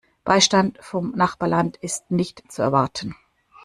Beistand vom Nachbarland ist nicht zu erwarten.